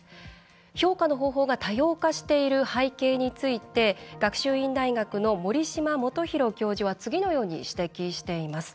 評価の方法が多様化している背景について学習院大学の守島基博教授は次のように指摘しています。